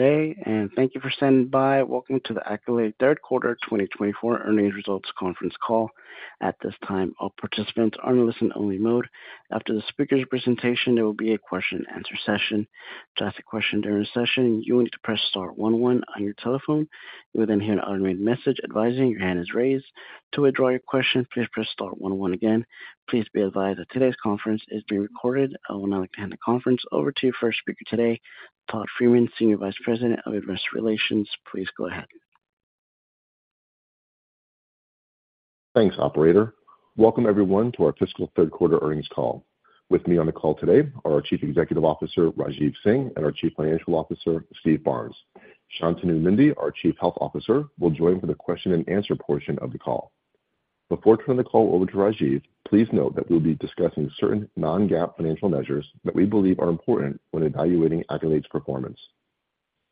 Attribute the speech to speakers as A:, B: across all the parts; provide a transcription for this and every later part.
A: Good day, and thank you for standing by. Welcome to the Accolade Third Quarter 2024 Earnings Results Conference Call. At this time, all participants are in a listen-only mode. After the speaker's presentation, there will be a question-and-answer session. To ask a question during the session, you will need to press star one one on your telephone. You will then hear an automated message advising your hand is raised. To withdraw your question, please press star one one again. Please be advised that today's conference is being recorded. I would now like to hand the conference over to your first speaker today, Todd Freeman, Senior Vice President of Investor Relations. Please go ahead.
B: Thanks, operator. Welcome everyone to our fiscal third quarter earnings call. With me on the call today are our Chief Executive Officer, Rajiv Singh, and our Chief Financial Officer, Steve Barnes. Shantanu Nundy, our Chief Health Officer, will join for the question and answer portion of the call. Before turning the call over to Rajiv, please note that we'll be discussing certain non-GAAP financial measures that we believe are important when evaluating Accolade's performance.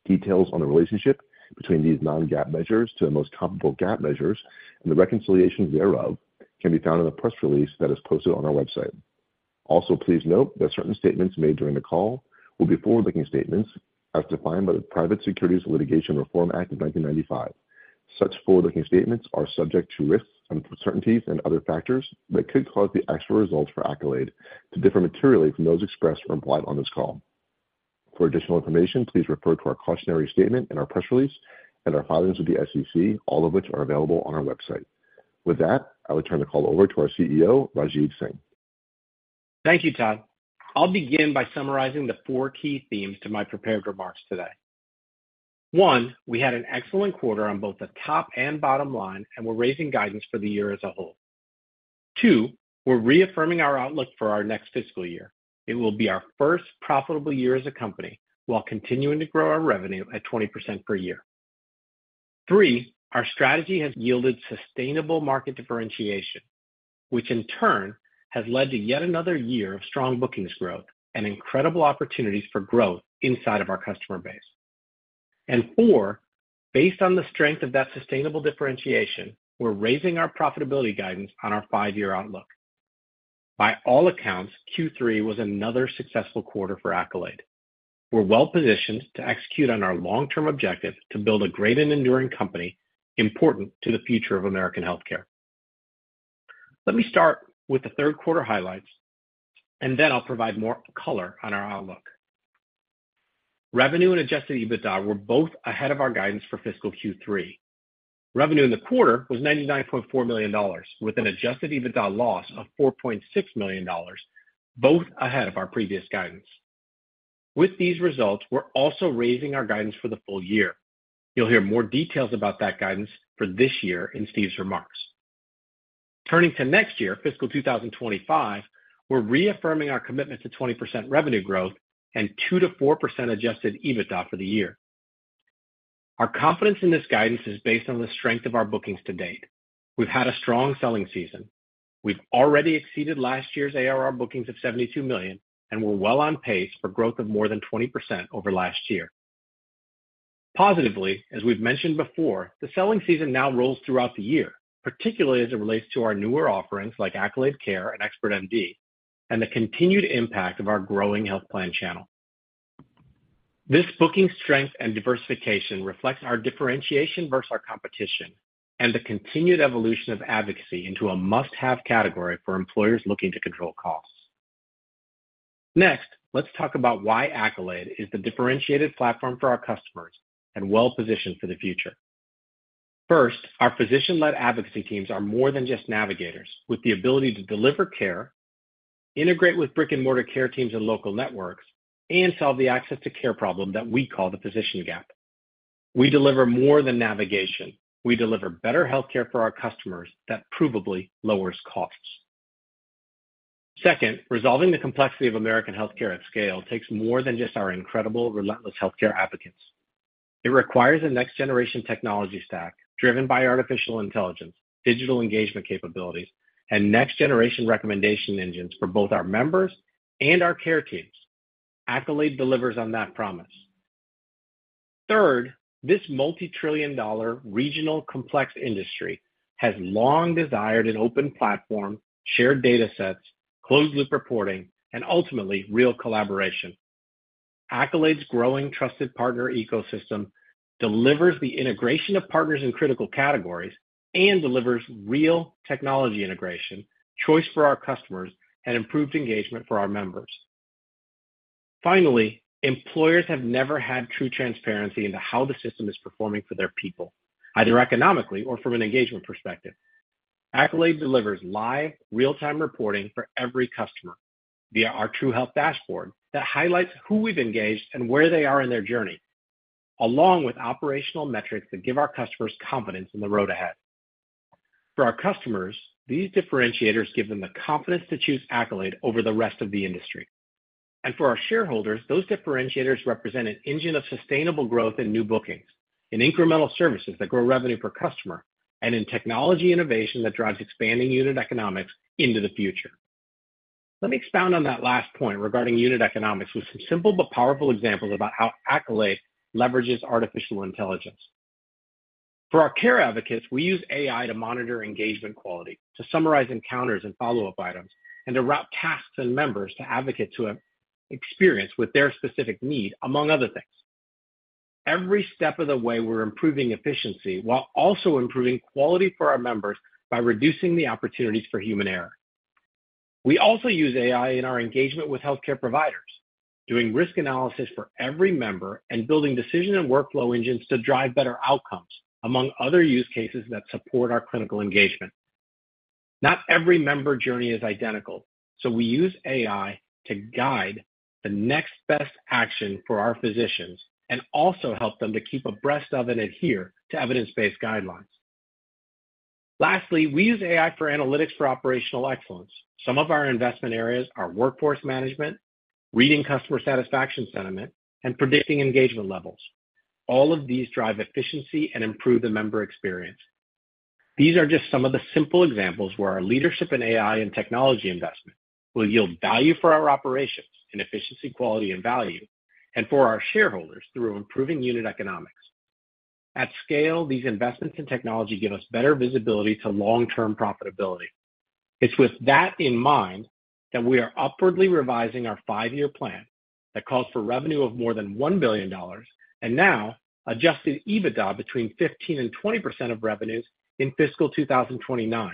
B: Details on the relationship between these non-GAAP measures to the most comparable GAAP measures and the reconciliations thereof can be found in the press release that is posted on our website. Also, please note that certain statements made during the call will be forward-looking statements as defined by the Private Securities Litigation Reform Act of 1995. Such forward-looking statements are subject to risks, uncertainties, and other factors that could cause the actual results for Accolade to differ materially from those expressed or implied on this call. For additional information, please refer to our cautionary statement in our press release and our filings with the SEC, all of which are available on our website. With that, I will turn the call over to our CEO, Rajeev Singh.
C: Thank you, Todd. I'll begin by summarizing the four key themes to my prepared remarks today. One, we had an excellent quarter on both the top and bottom line, and we're raising guidance for the year as a whole. Two, we're reaffirming our outlook for our next fiscal year. It will be our first profitable year as a company, while continuing to grow our revenue at 20% per year. Three, our strategy has yielded sustainable market differentiation, which in turn has led to yet another year of strong bookings growth and incredible opportunities for growth inside of our customer base. And four, based on the strength of that sustainable differentiation, we're raising our profitability guidance on our 5-year outlook. By all accounts, Q3 was another successful quarter for Accolade. We're well positioned to execute on our long-term objective to build a great and enduring company important to the future of American healthcare. Let me start with the third quarter highlights, and then I'll provide more color on our outlook. Revenue and adjusted EBITDA were both ahead of our guidance for fiscal Q3. Revenue in the quarter was $99.4 million, with an adjusted EBITDA loss of $4.6 million, both ahead of our previous guidance. With these results, we're also raising our guidance for the full year. You'll hear more details about that guidance for this year in Steve's remarks. Turning to next year, fiscal 2025, we're reaffirming our commitment to 20% revenue growth and 2%-4% adjusted EBITDA for the year. Our confidence in this guidance is based on the strength of our bookings to date. We've had a strong selling season. We've already exceeded last year's ARR bookings of $72 million, and we're well on pace for growth of more than 20% over last year. Positively, as we've mentioned before, the selling season now rolls throughout the year, particularly as it relates to our newer offerings like Accolade Care and Expert MD, and the continued impact of our growing health plan channel. This booking strength and diversification reflects our differentiation versus our competition and the continued evolution of advocacy into a must-have category for employers looking to control costs. Next, let's talk about why Accolade is the differentiated platform for our customers and well-positioned for the future. First, our physician-led advocacy teams are more than just navigators, with the ability to deliver care, integrate with brick-and-mortar care teams and local networks, and solve the access to care problem that we call the physician gap. We deliver more than navigation. We deliver better healthcare for our customers that provably lowers costs. Second, resolving the complexity of American healthcare at scale takes more than just our incredible, relentless healthcare advocates. It requires a next-generation technology stack driven by artificial intelligence, digital engagement capabilities, and next-generation recommendation engines for both our members and our care teams. Accolade delivers on that promise. Third, this multi-trillion dollar regional complex industry has long desired an open platform, shared data sets, closed loop reporting, and ultimately, real collaboration. Accolade's growing trusted partner ecosystem delivers the integration of partners in critical categories and delivers real technology integration, choice for our customers, and improved engagement for our members. Finally, employers have never had true transparency into how the system is performing for their people, either economically or from an engagement perspective. Accolade delivers live, real-time reporting for every customer via our True Health Dashboard that highlights who we've engaged and where they are in their journey, along with operational metrics that give our customers confidence in the road ahead. For our customers, these differentiators give them the confidence to choose Accolade over the rest of the industry. For our shareholders, those differentiators represent an engine of sustainable growth in new bookings, in incremental services that grow revenue per customer, and in technology innovation that drives expanding unit economics into the future. Let me expound on that last point regarding unit economics with some simple but powerful examples about how Accolade leverages artificial intelligence. For our care advocates, we use AI to monitor engagement quality, to summarize encounters and follow-up items, and to route tasks and members to advocate to experience with their specific need, among other things. Every step of the way, we're improving efficiency while also improving quality for our members by reducing the opportunities for human error. We also use AI in our engagement with healthcare providers, doing risk analysis for every member, and building decision and workflow engines to drive better outcomes, among other use cases that support our clinical engagement. Not every member journey is identical, so we use AI to guide the next best action for our physicians and also help them to keep abreast of, and adhere to evidence-based guidelines. Lastly, we use AI for analytics for operational excellence. Some of our investment areas are workforce management, reading customer satisfaction, sentiment, and predicting engagement levels. All of these drive efficiency and improve the member experience. These are just some of the simple examples where our leadership in AI and technology investment will yield value for our operations in efficiency, quality, and value, and for our shareholders through improving unit economics. At scale, these investments in technology give us better visibility to long-term profitability. It's with that in mind, that we are upwardly revising our five-year plan that calls for revenue of more than $1 billion, and now adjusted EBITDA between 15% and 20% of revenues in fiscal 2029,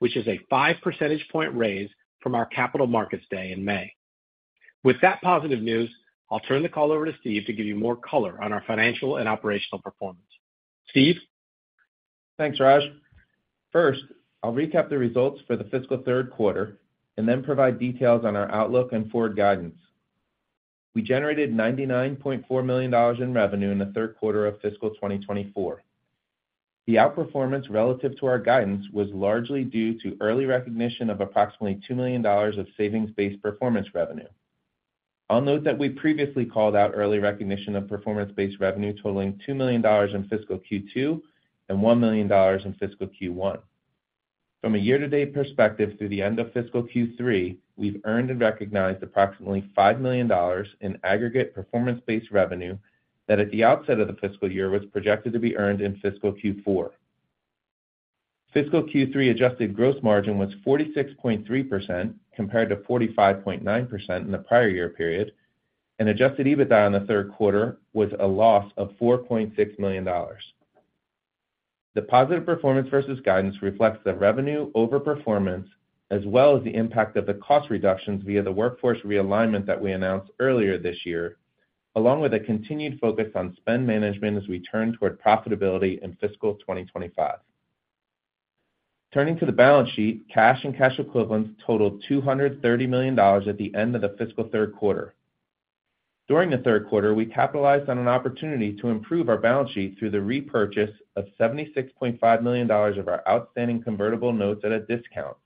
C: which is a five percentage point raise from our Capital Markets Day in May. With that positive news, I'll turn the call over to Steve to give you more color on our financial and operational performance. Steve?
D: Thanks, Raj. First, I'll recap the results for the fiscal third quarter and then provide details on our outlook and forward guidance. We generated $99.4 million in revenue in the third quarter of fiscal 2024. The outperformance relative to our guidance was largely due to early recognition of approximately $2 million of savings-based performance revenue. I'll note that we previously called out early recognition of performance-based revenue totaling $2 million in fiscal Q2, and $1 million in fiscal Q1. From a year-to-date perspective, through the end of fiscal Q3, we've earned and recognized approximately $5 million in aggregate performance-based revenue that, at the outset of the fiscal year, was projected to be earned in fiscal Q4. Fiscal Q3 adjusted gross margin was 46.3%, compared to 45.9% in the prior year period, and adjusted EBITDA in the third quarter was a loss of $4.6 million. The positive performance versus guidance reflects the revenue overperformance, as well as the impact of the cost reductions via the workforce realignment that we announced earlier this year, along with a continued focus on spend management as we turn toward profitability in fiscal 2025. Turning to the balance sheet, cash and cash equivalents totaled $230 million at the end of the fiscal third quarter. During the third quarter, we capitalized on an opportunity to improve our balance sheet through the repurchase of $76.5 million of our outstanding convertible notes at a discount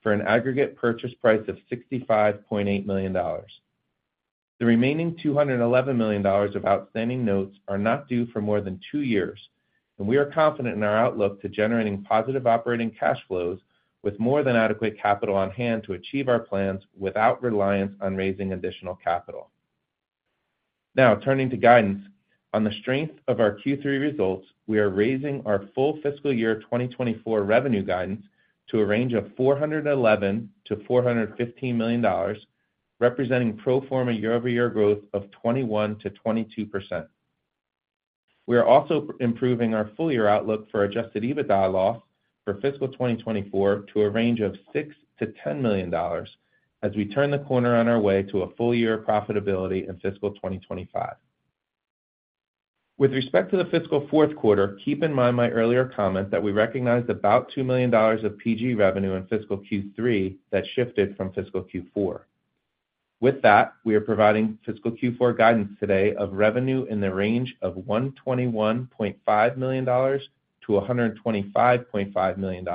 D: for an aggregate purchase price of $65.8 million. The remaining $211 million of outstanding notes are not due for more than 2 years, and we are confident in our outlook to generating positive operating cash flows with more than adequate capital on hand to achieve our plans without reliance on raising additional capital. Now, turning to guidance. On the strength of our Q3 results, we are raising our full fiscal year 2024 revenue guidance to a range of $411 million-$415 million, representing pro forma year-over-year growth of 21%-22%. We are also improving our full year outlook for adjusted EBITDA loss for fiscal 2024 to a range of $6 million-$10 million, as we turn the corner on our way to a full year of profitability in fiscal 2025. With respect to the fiscal fourth quarter, keep in mind my earlier comment that we recognized about $2 million of PG revenue in fiscal Q3 that shifted from fiscal Q4. With that, we are providing fiscal Q4 guidance today of revenue in the range of $121.5 million-$125.5 million,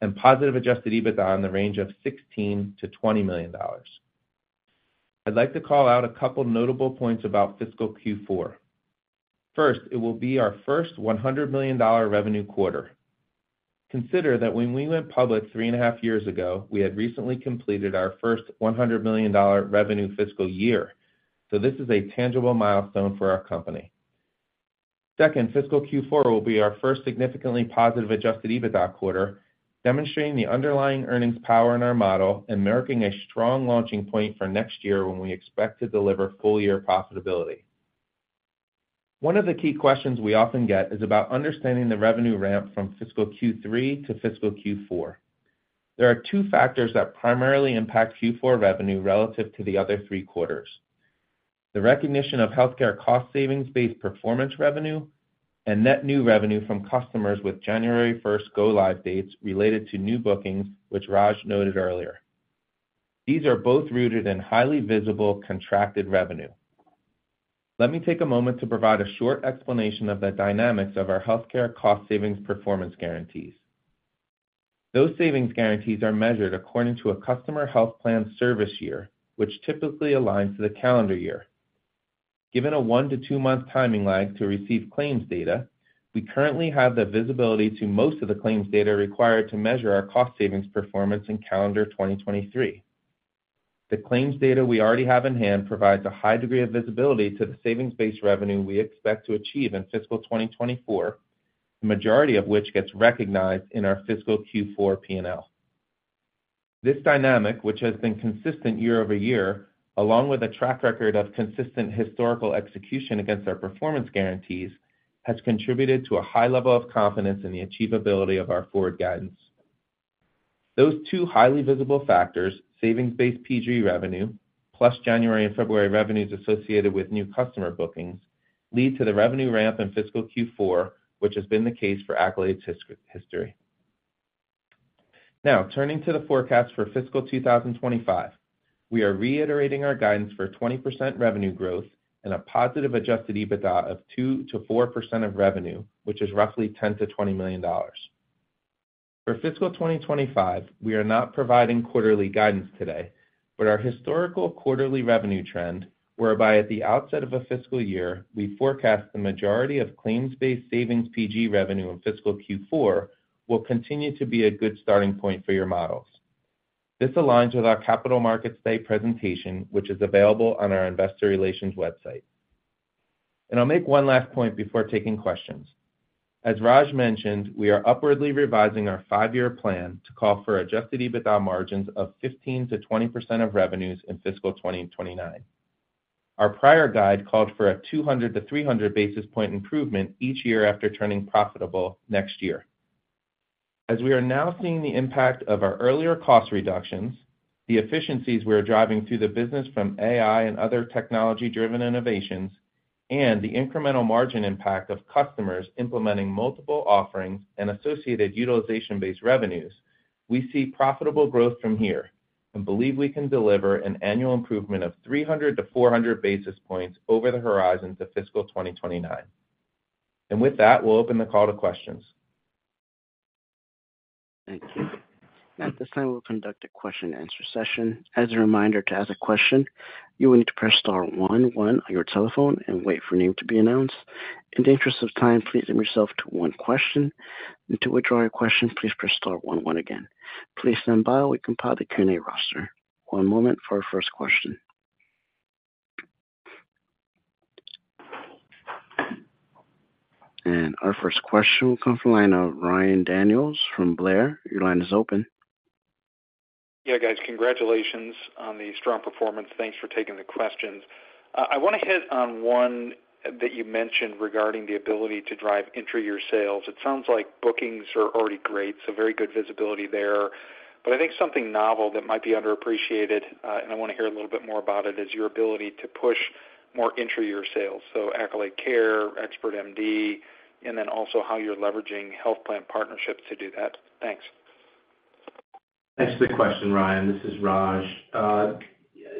D: and positive adjusted EBITDA in the range of $16 million-$20 million. I'd like to call out a couple notable points about fiscal Q4. First, it will be our first $100 million revenue quarter. Consider that when we went public 3.5 years ago, we had recently completed our first $100 million revenue fiscal year. So this is a tangible milestone for our company. Second, fiscal Q4 will be our first significantly positive adjusted EBITDA quarter, demonstrating the underlying earnings power in our model and marking a strong launching point for next year, when we expect to deliver full year profitability. One of the key questions we often get is about understanding the revenue ramp from fiscal Q3 to fiscal Q4. There are two factors that primarily impact Q4 revenue relative to the other three quarters. The recognition of healthcare cost savings-based performance revenue, and net new revenue from customers with January first go-live dates related to new bookings, which Raj noted earlier. These are both rooted in highly visible contracted revenue. Let me take a moment to provide a short explanation of the dynamics of our healthcare cost savings performance guarantees. Those savings guarantees are measured according to a customer health plan service year, which typically aligns to the calendar year. Given a 1- to 2-month timing lag to receive claims data, we currently have the visibility to most of the claims data required to measure our cost savings performance in calendar 2023. The claims data we already have in hand provides a high degree of visibility to the savings-based revenue we expect to achieve in fiscal 2024, the majority of which gets recognized in our fiscal Q4 PNL. This dynamic, which has been consistent year-over-year, along with a track record of consistent historical execution against our performance guarantees, has contributed to a high level of confidence in the achievability of our forward guidance. Those two highly visible factors, savings-based PG revenue, plus January and February revenues associated with new customer bookings, lead to the revenue ramp in fiscal Q4, which has been the case for Accolade's history. Now, turning to the forecast for fiscal 2025. We are reiterating our guidance for 20% revenue growth and a positive adjusted EBITDA of 2%-4% of revenue, which is roughly $10 million-$20 million. For fiscal 2025, we are not providing quarterly guidance today, but our historical quarterly revenue trend, whereby at the outset of a fiscal year, we forecast the majority of claims-based savings PG revenue in fiscal Q4, will continue to be a good starting point for your models. This aligns with our Capital Markets Day presentation, which is available on our investor relations website. I'll make one last point before taking questions. As Raj mentioned, we are upwardly revising our five-year plan to call for adjusted EBITDA margins of 15%-20% of revenues in fiscal 2029. Our prior guide called for a 200-300 basis point improvement each year after turning profitable next year. As we are now seeing the impact of our earlier cost reductions, the efficiencies we are driving through the business from AI and other technology-driven innovations, and the incremental margin impact of customers implementing multiple offerings and associated utilization-based revenues, we see profitable growth from here and believe we can deliver an annual improvement of 300-400 basis points over the horizon to fiscal 2029. With that, we'll open the call to questions.
A: Thank you. At this time, we'll conduct a question and answer session. As a reminder, to ask a question, you will need to press star one one on your telephone and wait for your name to be announced. In the interest of time, please limit yourself to one question. And to withdraw your question, please press star one one again. Please stand by while we compile the Q&A roster. One moment for our first question. And our first question will come from the line of Ryan Daniels from Blair. Your line is open.
E: Yeah, guys, congratulations on the strong performance. Thanks for taking the questions. I want to hit on one that you mentioned regarding the ability to drive intra-year sales. It sounds like bookings are already great, so very good visibility there. But I think something novel that might be underappreciated, and I want to hear a little bit more about it, is your ability to push more intra-year sales. So Accolade Care, Expert MD, and then also how you're leveraging health plan partnerships to do that. Thanks.
D: Thanks for the question, Ryan. This is Raj.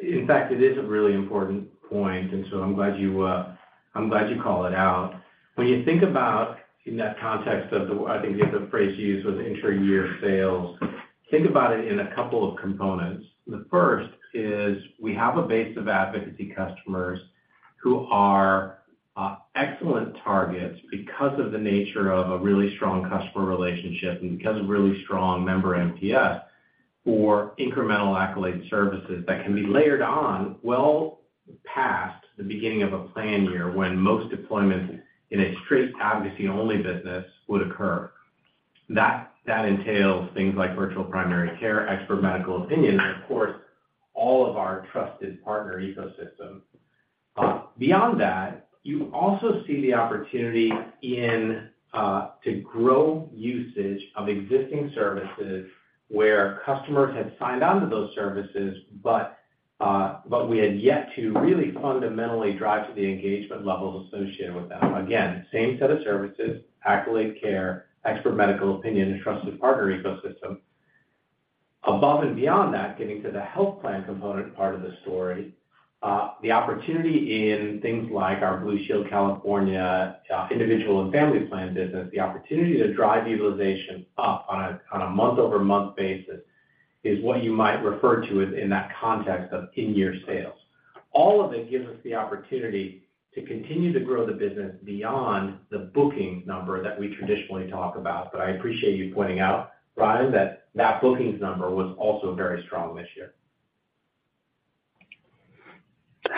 D: In fact, it is a really important point, and so I'm glad you, I'm glad you call it out. When you think about in that context of the, I think the other phrase you used was intra-year sales, think about it in a couple of components. The first is we have a base of advocacy customers who are excellent targets because of the nature of a really strong customer relationship and because of really strong member NPS for incremental Accolade services that can be layered on well past the beginning of a plan year, when most deployments in a strict advocacy-only business would occur. That entails things like virtual primary care, expert medical opinion, and of course, all of our trusted partner ecosystem. Beyond that, you also see the opportunity in to grow usage of existing services where customers had signed on to those services, but we had yet to really fundamentally drive to the engagement levels associated with them. Again, same set of services, Accolade Care, Expert Medical Opinion, and trusted partner ecosystem. Above and beyond that, getting to the health plan component part of the story, the opportunity in things like our Blue Shield of California individual and family plan business, the opportunity to drive utilization up on a month-over-month basis is what you might refer to as in that context of in-year sales. All of it gives us the opportunity to continue to grow the business beyond the booking number that we traditionally talk about. But I appreciate you pointing out, Ryan, that that bookings number was also very strong this year.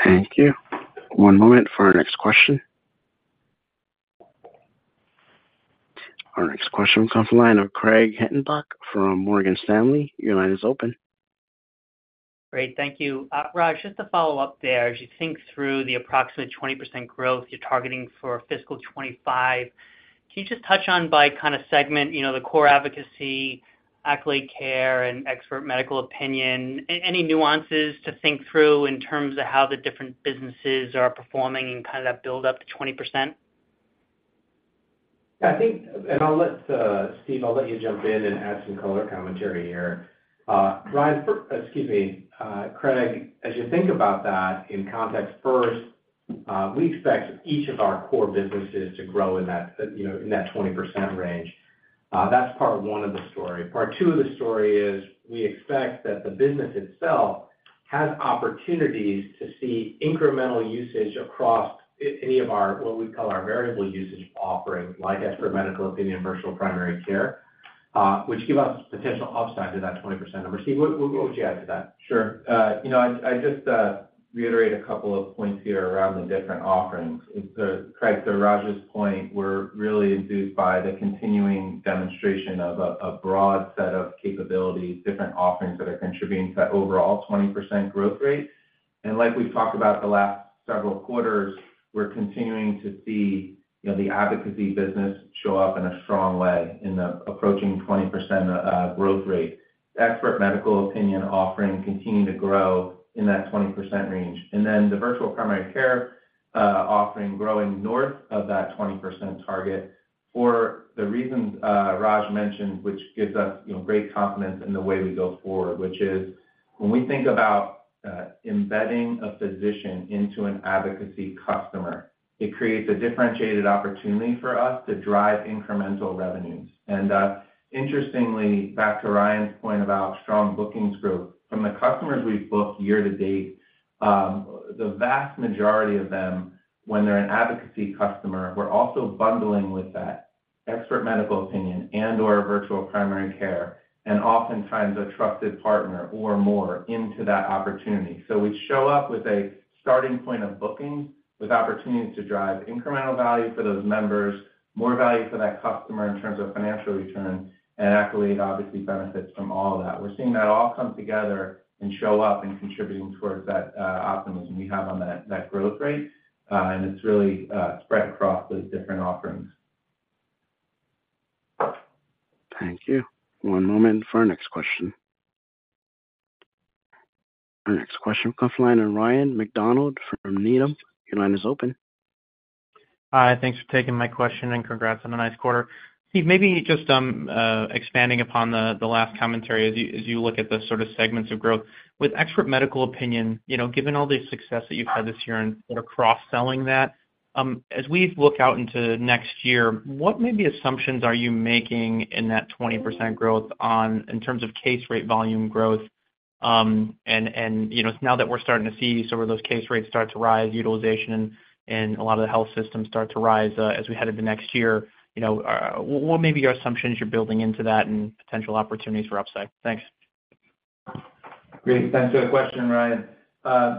A: Thank you. One moment for our next question. Our next question comes from the line of Craig Hettenbach from Morgan Stanley. Your line is open.
F: Great. Thank you. Raj, just to follow up there, as you think through the approximate 20% growth you're targeting for fiscal 2025, can you just touch on by kind of segment, you know, the core advocacy, Accolade Care and Expert Medical Opinion, any nuances to think through in terms of how the different businesses are performing and kind of that build up to 20%?
C: I think... And I'll let Steve jump in and add some color commentary here. Ryan, excuse me, Craig, as you think about that in context, first, we expect each of our core businesses to grow in that, you know, in that 20% range. That's part one of the story. Part two of the story is, we expect that the business itself has opportunities to see incremental usage across any of our, what we call our variable usage offerings, like expert medical opinion and virtual primary care.... which give us potential upside to that 20% number. Steve, what would you add to that?
D: Sure. You know, I'd, I'd just reiterate a couple of points here around the different offerings. It's, Craig, to Raj's point, we're really enthused by the continuing demonstration of a, a broad set of capabilities, different offerings that are contributing to that overall 20% growth rate. Like we've talked about the last several quarters, we're continuing to see, you know, the advocacy business show up in a strong way in the approaching 20% growth rate. The expert medical opinion offering continuing to grow in that 20% range, and then the virtual primary care, offering growing north of that 20% target for the reasons, Raj mentioned, which gives us, you know, great confidence in the way we go forward, which is when we think about, embedding a physician into an advocacy customer, it creates a differentiated opportunity for us to drive incremental revenues. And, interestingly, back to Ryan's point about strong bookings growth, from the customers we've booked year to date, the vast majority of them, when they're an advocacy customer, we're also bundling with that expert medical opinion and/or virtual primary care and oftentimes a trusted partner or more into that opportunity. So we show up with a starting point of booking, with opportunities to drive incremental value for those members, more value for that customer in terms of financial return, and Accolade obviously benefits from all of that. We're seeing that all come together and show up and contributing towards that, optimism we have on that, that growth rate, and it's really, spread across those different offerings.
A: Thank you. One moment for our next question. Our next question comes from the line of Ryan MacDonald from Needham. Your line is open.
G: Hi, thanks for taking my question, and congrats on a nice quarter. Steve, maybe just expanding upon the last commentary as you look at the sort of segments of growth. With Expert Medical Opinion, you know, given all the success that you've had this year in sort of cross-selling that, as we look out into next year, what maybe assumptions are you making in that 20% growth on, in terms of case rate volume growth? And, you know, now that we're starting to see some of those case rates start to rise, utilization and a lot of the health systems start to rise, as we head into next year, you know, what may be your assumptions you're building into that and potential opportunities for upside? Thanks.
C: Great. Thanks for the question, Ryan.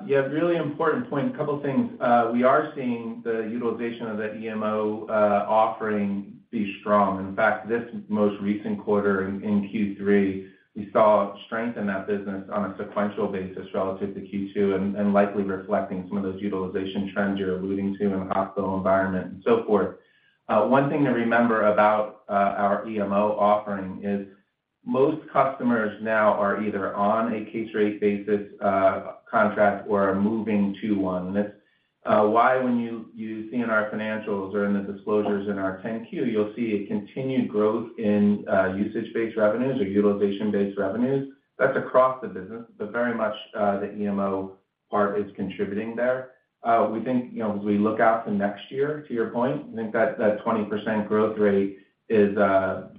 C: You have a really important point. A couple things. We are seeing the utilization of the EMO offering be strong. In fact, this most recent quarter, in Q3, we saw strength in that business on a sequential basis relative to Q2 and likely reflecting some of those utilization trends you're alluding to in the hospital environment and so forth. One thing to remember about our EMO offering is, most customers now are either on a case rate basis contract or are moving to one. And it's why when you see in our financials or in the disclosures in our 10-Q, you'll see a continued growth in usage-based revenues or utilization-based revenues. That's across the business, but very much the EMO part is contributing there. We think, you know, as we look out to next year, to your point, I think that that 20% growth rate is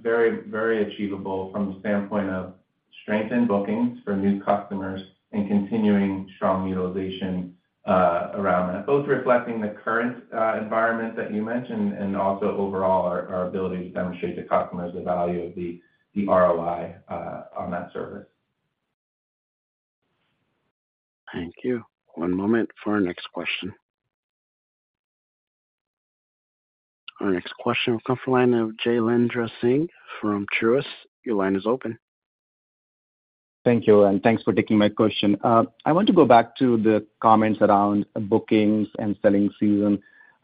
C: very, very achievable from the standpoint of strength in bookings for new customers and continuing strong utilization around that. Both reflecting the current environment that you mentioned, and also overall, our, our ability to demonstrate to customers the value of the ROI on that service.
A: Thank you. One moment for our next question. Our next question will come from the line of Jailendra Singh from Truist. Your line is open.
H: Thank you, and thanks for taking my question. I want to go back to the comments around bookings and selling season.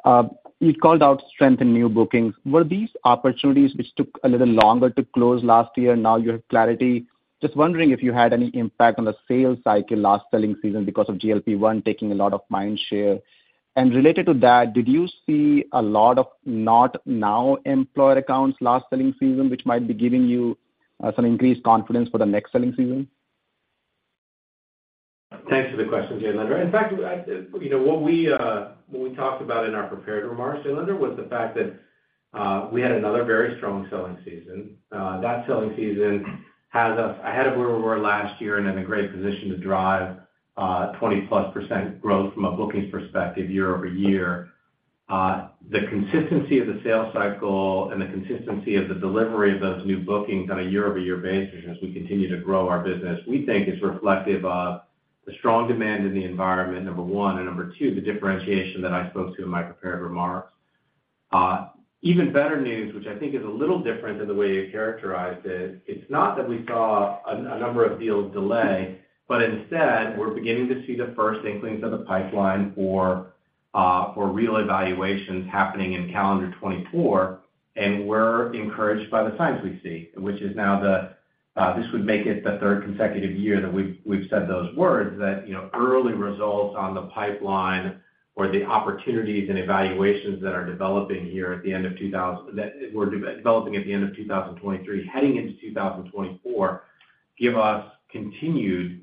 H: You called out strength in new bookings. Were these opportunities which took a little longer to close last year, now you have clarity? Just wondering if you had any impact on the sales cycle last selling season because of GLP-1 taking a lot of mind share. And related to that, did you see a lot of not now employer accounts last selling season, which might be giving you, some increased confidence for the next selling season?
D: Thanks for the question, Jailendra Singh. In fact, you know, what we talked about in our prepared remarks, Jailendra Singh, was the fact that we had another very strong selling season. That selling season has us ahead of where we were last year and in a great position to drive 20%+ growth from a bookings perspective year-over-year. The consistency of the sales cycle and the consistency of the delivery of those new bookings on a year-over-year basis as we continue to grow our business, we think is reflective of the strong demand in the environment, number one, and number two, the differentiation that I spoke to in my prepared remarks. Even better news, which I think is a little different than the way you characterized it. It's not that we saw a number of deals delay, but instead, we're beginning to see the first inklings of the pipeline for real evaluations happening in calendar 2024, and we're encouraged by the signs we see, which is now the, this would make it the third consecutive year that we've said those words. That, you know, early results on the pipeline or the opportunities and evaluations that are developing here at the end of 2023, heading into 2024, give us continued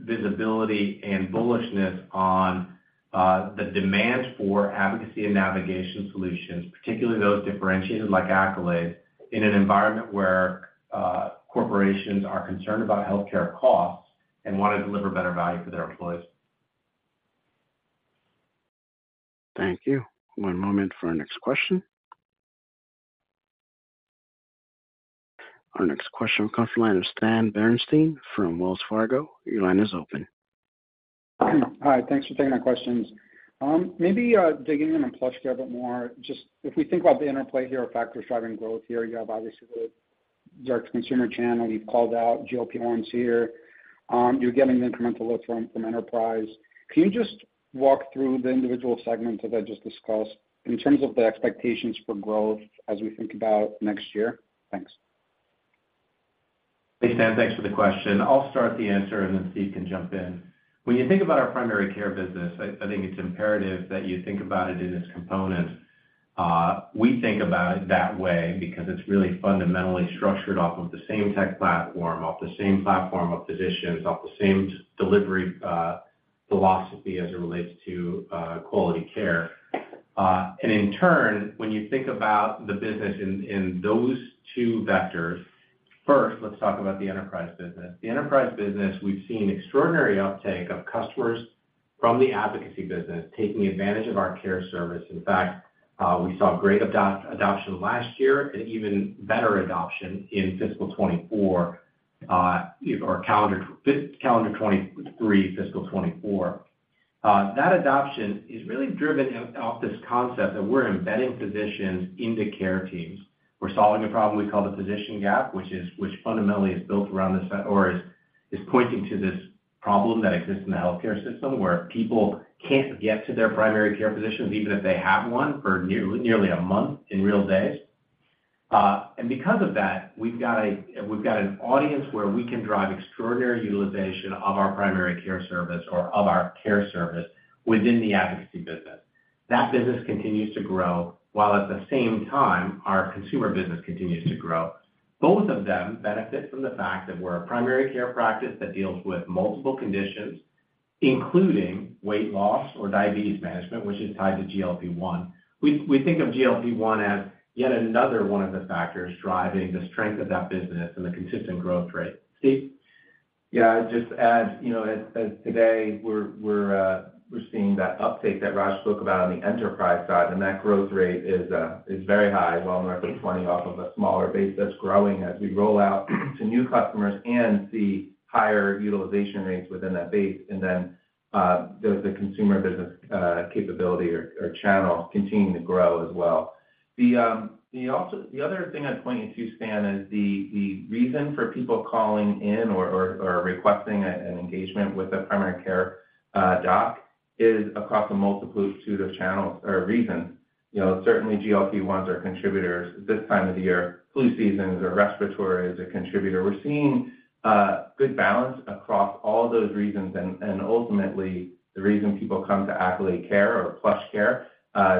D: visibility and bullishness on the demand for advocacy and navigation solutions, particularly those differentiated like Accolade, in an environment where corporations are concerned about healthcare costs and want to deliver better value to their employees.
A: Thank you. One moment for our next question. Our next question will come from the line of Stan Berenshteyn from Wells Fargo. Your line is open.
I: Hi, thanks for taking my questions. Maybe, digging in on PlushCare a bit more, just if we think about the interplay here of factors driving growth here, you have obviously the direct consumer channel. You've called out GLP-1s here. You're getting the incremental lift from, from Enterprise. Can you just walk through the individual segments that I just discussed in terms of the expectations for growth as we think about next year? Thanks.
C: Hey, Stan, thanks for the question. I'll start the answer, and then Steve can jump in. When you think about our primary care business, I think it's imperative that you think about it in its components. We think about it that way because it's really fundamentally structured off of the same tech platform, off the same platform of physicians, off the same delivery philosophy as it relates to quality care. And in turn, when you think about the business in those two vectors, first, let's talk about the enterprise business. The enterprise business, we've seen extraordinary uptake of customers from the advocacy business, taking advantage of our care service. In fact, we saw great adoption last year and even better adoption in fiscal 2024 or calendar 2023, fiscal 2024. That adoption is really driven out off this concept that we're embedding physicians into care teams. We're solving a problem we call the physician gap, which fundamentally is built around this or is pointing to this problem that exists in the healthcare system, where people can't get to their primary care physicians, even if they have one, for nearly a month in real days. And because of that, we've got an audience where we can drive extraordinary utilization of our primary care service or of our care service within the advocacy business. That business continues to grow, while at the same time, our consumer business continues to grow. Both of them benefit from the fact that we're a primary care practice that deals with multiple conditions, including weight loss or diabetes management, which is tied to GLP-1. We think of GLP-1 as yet another one of the factors driving the strength of that business and the consistent growth rate. Steve?
D: Yeah, I'd just add, you know, as today, we're seeing that uptake that Raj spoke about on the enterprise side, and that growth rate is very high, well north of 20, off of a smaller base that's growing as we roll out to new customers and see higher utilization rates within that base. And then, there's the consumer business, capability or channel continuing to grow as well. The other thing I'd point to, Stan, is the reason for people calling in or requesting an engagement with a primary care doc is across a multitude of channels or reasons. You know, certainly GLP-1s are contributors. This time of the year, flu seasons or respiratory is a contributor. We're seeing good balance across all those reasons, and ultimately, the reason people come to Accolade Care or PlushCare is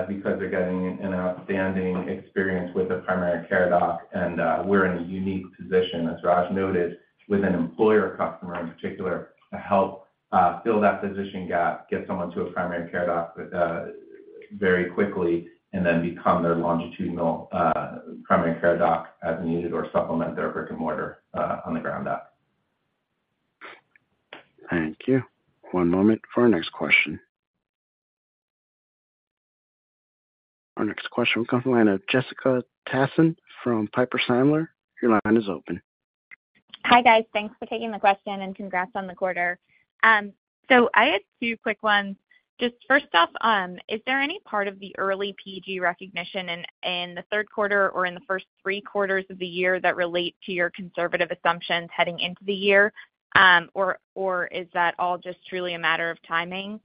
D: because they're getting an outstanding experience with a primary care doc. And we're in a unique position, as Raj noted, with an employer customer, in particular, to help fill that physician gap, get someone to a primary care doc very quickly and then become their longitudinal primary care doc as needed or supplement their brick-and-mortar on the ground up.
A: Thank you. One moment for our next question. Our next question will come from the line of Jessica Tassan from Piper Sandler. Your line is open.
J: Hi, guys. Thanks for taking the question, and congrats on the quarter. I had two quick ones. Just first off, is there any part of the early PG recognition in the third quarter or in the first three quarters of the year that relate to your conservative assumptions heading into the year? Or is that all just truly a matter of timing?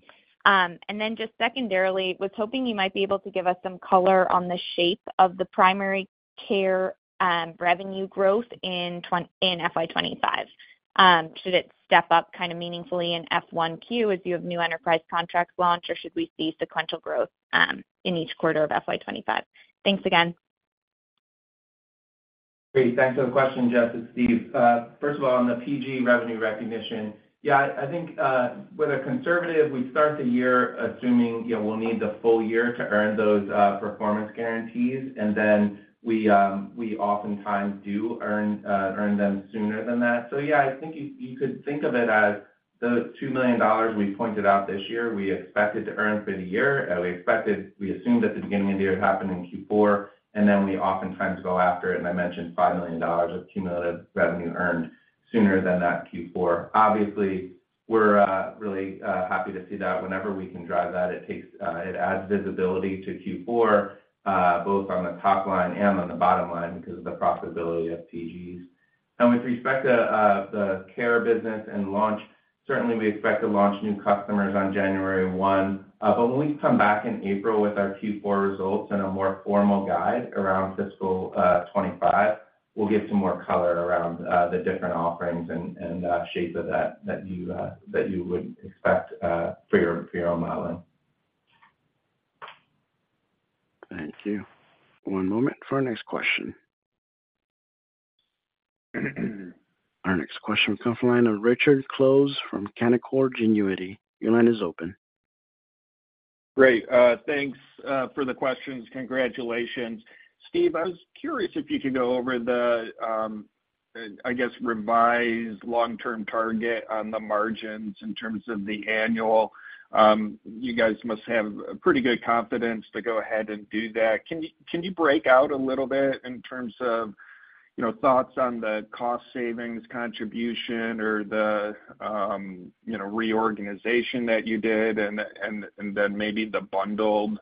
J: Then just secondarily, was hoping you might be able to give us some color on the shape of the primary care revenue growth in FY 25. Should it step up kind of meaningfully in 1Q as you have new enterprise contracts launch, or should we see sequential growth in each quarter of FY 25? Thanks again.
D: Great. Thanks for the question, Jess. It's Steve. First of all, on the PG revenue recognition, yeah, I think with a conservative, we start the year assuming, you know, we'll need the full year to earn those performance guarantees, and then we oftentimes do earn them sooner than that. So yeah, I think you could think of it as the $2 million we pointed out this year, we expected to earn for the year, and we expected, we assumed at the beginning of the year it happened in Q4, and then we oftentimes go after it, and I mentioned $5 million of cumulative revenue earned sooner than that Q4. Obviously, we're really happy to see that. Whenever we can drive that, it adds visibility to Q4, both on the top line and on the bottom line because of the profitability of PGs. And with respect to the care business and launch, certainly we expect to launch new customers on January 1. But when we come back in April with our Q4 results and a more formal guide around fiscal 25, we'll give some more color around the different offerings and shape of that that you would expect for your modeling.
A: Thank you. One moment for our next question. Our next question comes from the line of Richard Close from Canaccord Genuity. Your line is open.
K: Great. Thanks for the questions. Congratulations. Steve, I was curious if you could go over the-... I guess, revised long-term target on the margins in terms of the annual, you guys must have a pretty good confidence to go ahead and do that. Can you break out a little bit in terms of, you know, thoughts on the cost savings contribution or the, you know, reorganization that you did, and then maybe the bundled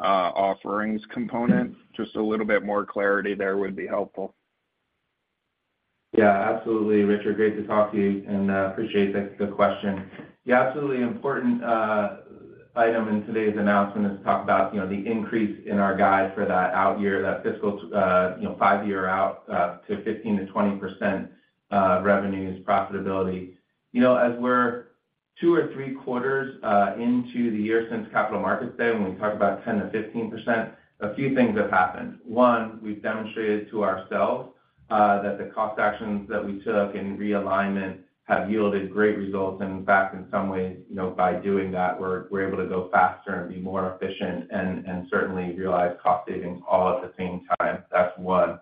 K: offerings component? Just a little bit more clarity there would be helpful.
D: Yeah, absolutely, Richard. Great to talk to you, and appreciate that. Good question. Yeah, absolutely important item in today's announcement is to talk about, you know, the increase in our guide for that out year, that fiscal, you know, 5-year out, to 15%-20% revenues profitability. You know, as we're two or three quarters into the year since Capital Markets Day, when we talked about 10%-15%, a few things have happened. One, we've demonstrated to ourselves that the cost actions that we took in realignment have yielded great results. And in fact, in some ways, you know, by doing that, we're able to go faster and be more efficient and certainly realize cost savings all at the same time. That's one.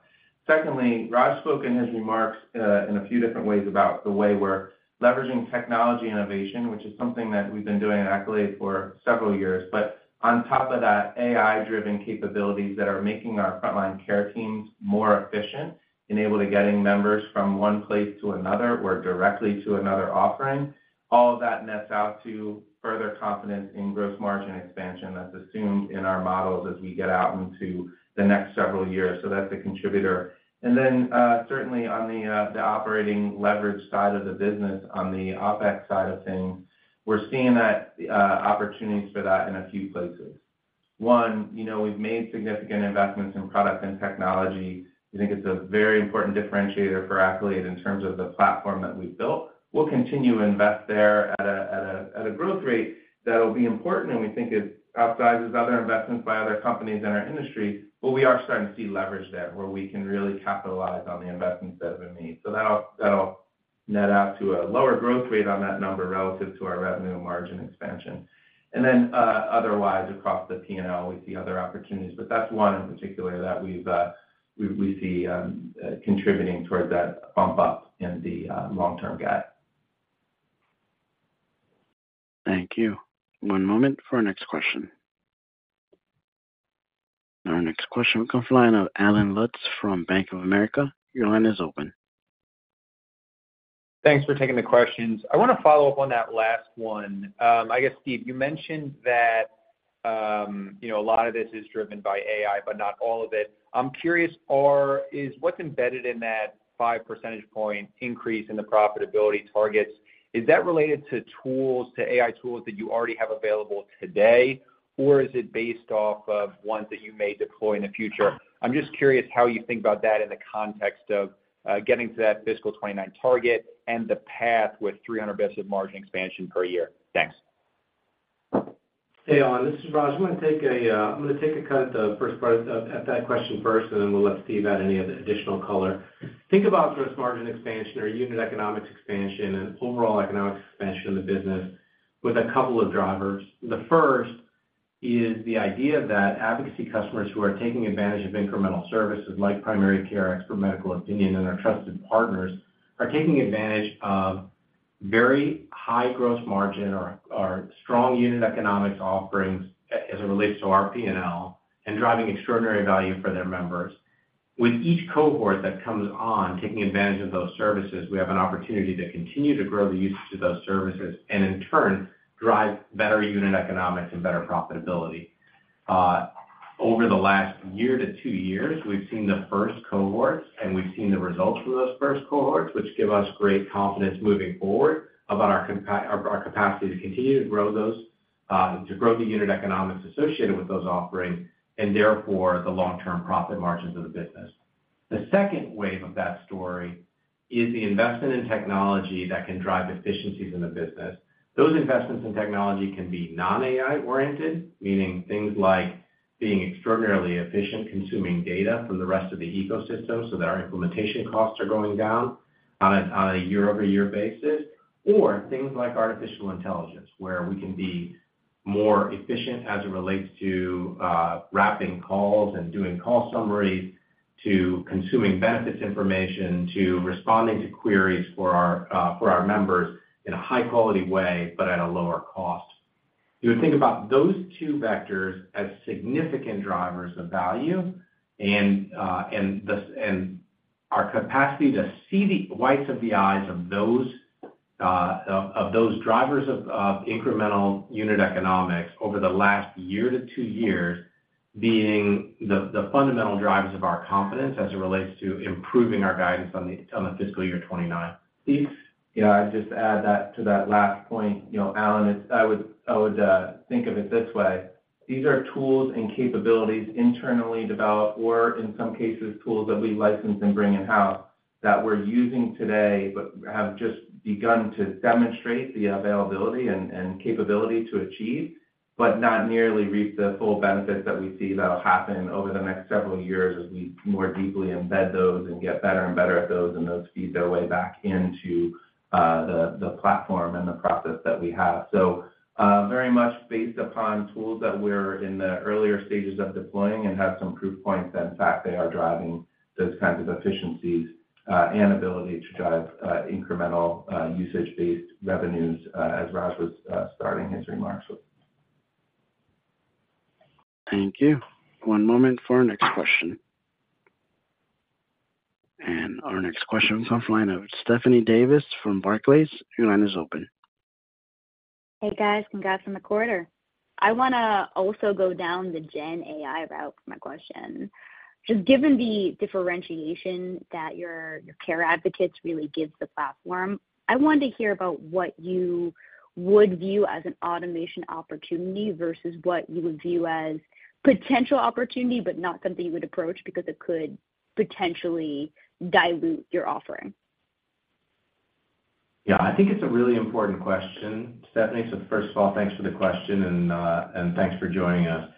D: Secondly, Raj spoke in his remarks in a few different ways about the way we're leveraging technology innovation, which is something that we've been doing at Accolade for several years. But on top of that, AI-driven capabilities that are making our frontline care teams more efficient, enabling getting members from one place to another or directly to another offering, all of that nets out to further confidence in gross margin expansion that's assumed in our models as we get out into the next several years. So that's a contributor. And then, certainly on the operating leverage side of the business, on the OpEx side of things, we're seeing that opportunities for that in a few places. One, you know, we've made significant investments in product and technology. We think it's a very important differentiator for Accolade in terms of the platform that we've built. We'll continue to invest there at a growth rate that will be important, and we think it outsizes other investments by other companies in our industry. But we are starting to see leverage there, where we can really capitalize on the investments that we've made. So that'll net out to a lower growth rate on that number relative to our revenue margin expansion. And then, otherwise, across the P&L, we see other opportunities. But that's one in particular that we see contributing towards that bump up in the long-term guide.
A: Thank you. One moment for our next question. Our next question comes from the line of Allen Lutz from Bank of America. Your line is open.
L: Thanks for taking the questions. I want to follow up on that last one. I guess, Steve, you mentioned that, you know, a lot of this is driven by AI, but not all of it. I'm curious, is what's embedded in that 5 percentage point increase in the profitability targets related to tools, to AI tools that you already have available today, or is it based off of ones that you may deploy in the future? I'm just curious how you think about that in the context of getting to that fiscal 2029 target and the path with 300 basis margin expansion per year. Thanks.
C: Hey, Allen, this is Raj. I'm gonna take a cut at the first part of that question first, and then we'll let Steve add any other additional color. Think about gross margin expansion or unit economics expansion and overall economics expansion in the business with a couple of drivers. The first is the idea that advocacy customers who are taking advantage of incremental services like primary care, expert medical opinion, and our trusted partners are taking advantage of very high gross margin or strong unit economics offerings as it relates to our P&L and driving extraordinary value for their members. With each cohort that comes on taking advantage of those services, we have an opportunity to continue to grow the usage of those services and in turn, drive better unit economics and better profitability. Over the last one to two years, we've seen the first cohorts, and we've seen the results from those first cohorts, which give us great confidence moving forward about our capacity to continue to grow those, to grow the unit economics associated with those offerings, and therefore, the long-term profit margins of the business. The second wave of that story is the investment in technology that can drive efficiencies in the business. Those investments in technology can be non-AI oriented, meaning things like being extraordinarily efficient, consuming data from the rest of the ecosystem so that our implementation costs are going down on a year-over-year basis, or things like artificial intelligence, where we can be more efficient as it relates to wrapping calls and doing call summaries, to consuming benefits information, to responding to queries for our members in a high-quality way, but at a lower cost. You would think about those two vectors as significant drivers of value, and our capacity to see the whites of the eyes of those drivers of incremental unit economics over the last year to two years, being the fundamental drivers of our confidence as it relates to improving our guidance on the fiscal year 2029. Steve?
D: Yeah, I'd just add that to that last point, you know, Allen, it's—I would think of it this way: These are tools and capabilities internally developed, or in some cases, tools that we license and bring in-house that we're using today, but have just begun to demonstrate the availability and capability to achieve, but not nearly reach the full benefits that we see that'll happen over the next several years as we more deeply embed those and get better and better at those, and those feed their way back into the platform and the process that we have. So, very much based upon tools that we're in the earlier stages of deploying and have some proof points that in fact, they are driving...... those kinds of efficiencies, and ability to drive, incremental, usage-based revenues, as Raj was starting his remarks with.
A: Thank you. One moment for our next question. Our next question is off the line of Stephanie Davis from Barclays. Your line is open.
M: Hey, guys. Congrats on the quarter. I want to also go down the Gen AI route for my question. Just given the differentiation that your, your care advocates really gives the platform, I wanted to hear about what you would view as an automation opportunity versus what you would view as potential opportunity, but not something you would approach because it could potentially dilute your offering.
C: Yeah, I think it's a really important question, Stephanie. So first of all, thanks for the question, and, and thanks for joining us.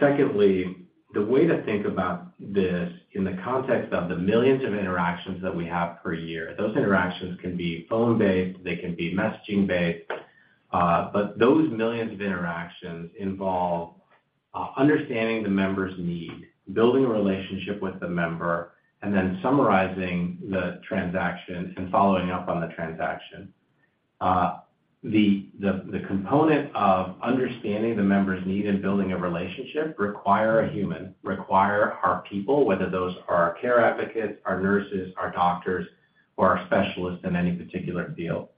C: Secondly, the way to think about this in the context of the millions of interactions that we have per year, those interactions can be phone-based, they can be messaging-based, but those millions of interactions involve, understanding the member's need, building a relationship with the member, and then summarizing the transaction and following up on the transaction. The component of understanding the member's need and building a relationship require a human, require our people, whether those are our care advocates, our nurses, our doctors, or our specialists in any particular field.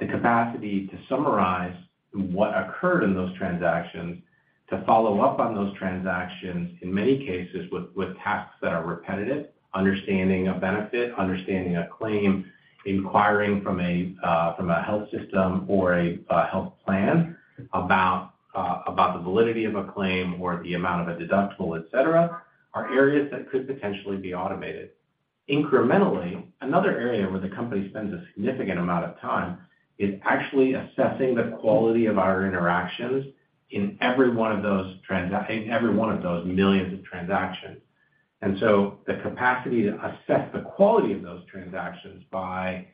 C: The capacity to summarize what occurred in those transactions, to follow up on those transactions, in many cases with tasks that are repetitive, understanding a benefit, understanding a claim, inquiring from a health system or a health plan about the validity of a claim or the amount of a deductible, et cetera, are areas that could potentially be automated. Incrementally, another area where the company spends a significant amount of time is actually assessing the quality of our interactions in every one of those millions of transactions. And so the capacity to assess the quality of those transactions by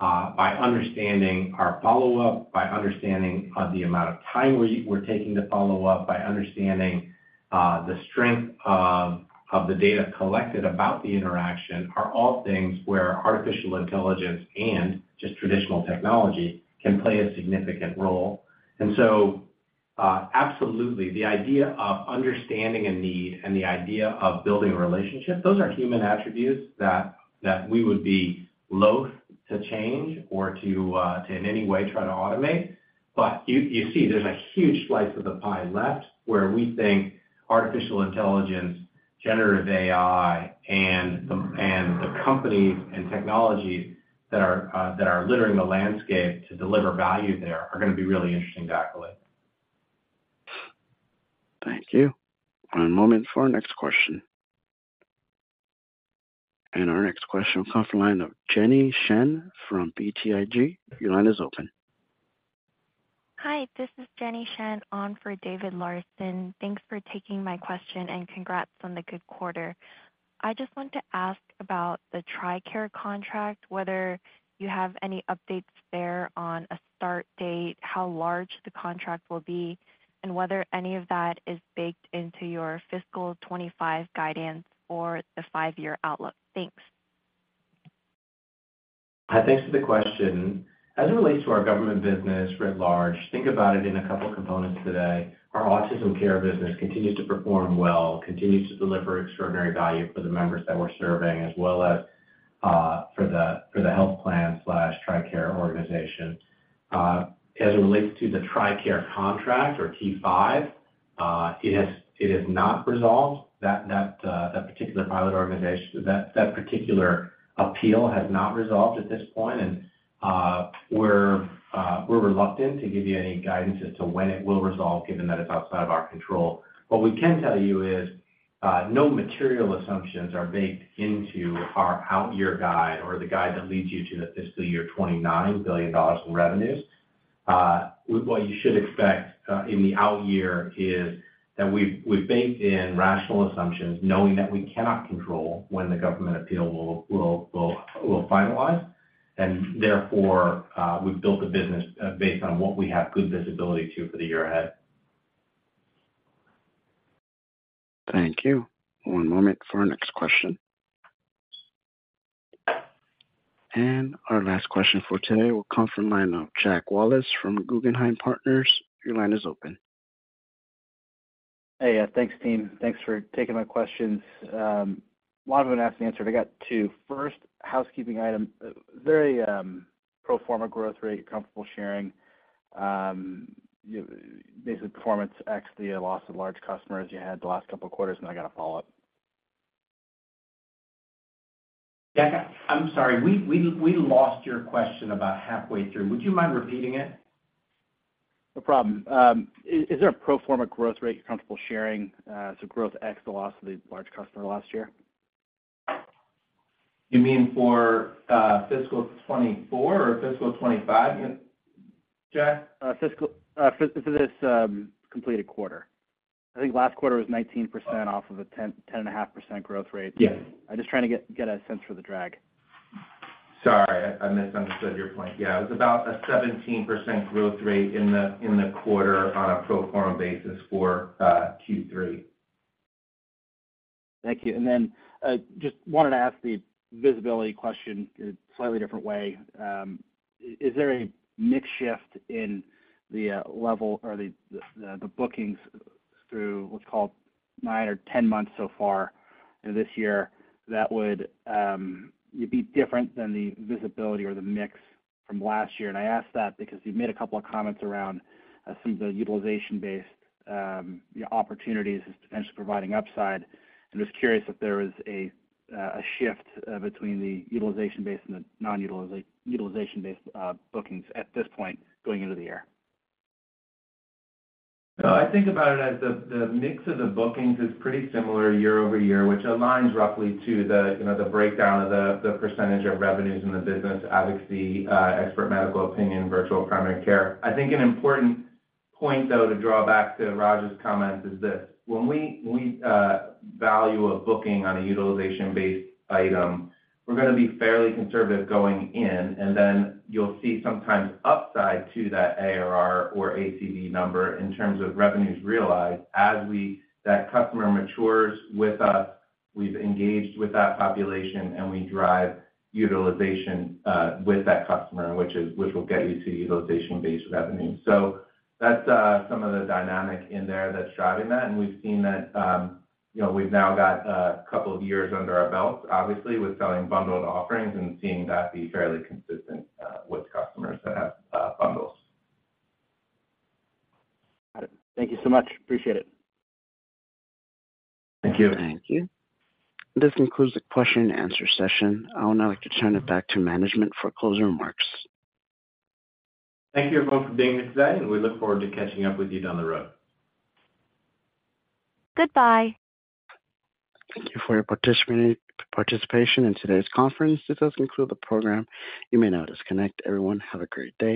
C: understanding our follow-up, by understanding the amount of time we're taking to follow up, by understanding the strength of the data collected about the interaction are all things where artificial intelligence and just traditional technology can play a significant role. And so absolutely, the idea of understanding a need and the idea of building a relationship, those are human attributes that we would be loath to change or to in any way try to automate. But you see, there's a huge slice of the pie left, where we think artificial intelligence, generative AI, and the companies and technologies that are littering the landscape to deliver value there are going to be really interesting to escalate.
A: Thank you. One moment for our next question. And our next question will come from the line of Jenny Shen from BTIG. Your line is open.
N: Hi, this is Jenny Shen on for David Larsen. Thanks for taking my question, and congrats on the good quarter. I just want to ask about the TRICARE contract, whether you have any updates there on a start date, how large the contract will be, and whether any of that is baked into your fiscal 25 guidance or the five-year outlook? Thanks.
C: Hi, thanks for the question. As it relates to our government business writ large, think about it in a couple components today. Our autism care business continues to perform well, continues to deliver extraordinary value for the members that we're serving, as well as for the health plan/TRICARE organization. As it relates to the TRICARE contract or T-5, it is not resolved. That particular pilot organization, that particular appeal has not resolved at this point, and we're reluctant to give you any guidance as to when it will resolve, given that it's outside of our control. What we can tell you is no material assumptions are baked into our out year guide or the guide that leads you to the fiscal year $29 billion in revenues. What you should expect in the out year is that we've baked in rational assumptions, knowing that we cannot control when the government appeal will finalize, and therefore, we've built the business based on what we have good visibility to for the year ahead.
A: Thank you. One moment for our next question. Our last question for today will come from line of Jack Wallace from Guggenheim Partners. Your line is open.
O: Hey, thanks, team. Thanks for taking my questions. A lot of them have been answered. I got two. First, housekeeping item, very pro forma growth rate comfortable sharing basic performance ex the loss of large customers you had the last couple of quarters, and I got a follow-up.
C: Jack, I'm sorry, we lost your question about halfway through. Would you mind repeating it?
O: No problem. Is there a pro forma growth rate you're comfortable sharing, so growth ex, the loss of the large customer last year?
C: You mean for fiscal 2024 or fiscal 2025, Jack?
O: Fiscal for this completed quarter. I think last quarter was 19% off of a 10-10.5% growth rate.
C: Yes.
O: I'm just trying to get a sense for the drag....
D: Sorry, I misunderstood your point. Yeah, it was about a 17% growth rate in the quarter on a pro forma basis for Q3.
O: Thank you. And then, just wanted to ask the visibility question in a slightly different way. Is there a mix shift in the level or the bookings through, let's call it, 9 or 10 months so far this year, that would be different than the visibility or the mix from last year? And I ask that because you've made a couple of comments around some of the utilization-based opportunities as potentially providing upside. I'm just curious if there was a shift between the utilization-based and the non-utilization-based bookings at this point going into the year.
D: I think about it as the mix of the bookings is pretty similar year-over-year, which aligns roughly to the, you know, the breakdown of the percentage of revenues in the business, advocacy, expert medical opinion, virtual primary care. I think an important point, though, to draw back to Rajeev's comment is this: when we value a booking on a utilization-based item, we're gonna be fairly conservative going in, and then you'll see sometimes upside to that ARR or ACV number in terms of revenues realized. As that customer matures with us, we've engaged with that population, and we drive utilization with that customer, which will get you to utilization-based revenue. So that's some of the dynamic in there that's driving that, and we've seen that, you know, we've now got a couple of years under our belt, obviously, with selling bundled offerings and seeing that be fairly consistent, with customers that have bundles.
O: Got it. Thank you so much. Appreciate it.
D: Thank you.
A: Thank you. This concludes the question and answer session. I would now like to turn it back to management for closing remarks.
D: Thank you everyone for being here today, and we look forward to catching up with you down the road.
A: Goodbye. Thank you for your participation in today's conference. This does conclude the program. You may now disconnect. Everyone, have a great day.